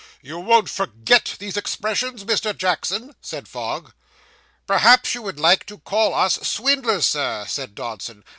'You won't forget these expressions, Mr. Jackson?' said Fogg. 'Perhaps you would like to call us swindlers, sir,' said Dodson.